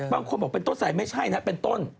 บางคนบอกเป็นต้นใส่ไม่ใช่นะเป็นต้น